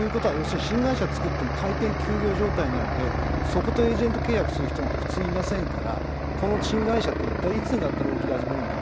新会社を作っても開店休業状態なのでそことエージェント契約する人は普通いませんから新会社はいったいいつになったら動き始めるんだ。